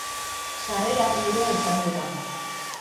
Sarrera librea izango da.